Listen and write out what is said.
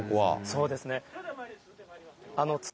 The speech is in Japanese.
そうですね。